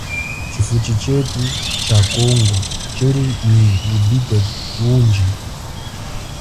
Tshifuchi tshetu tsha congo tshili nyi ubite undji.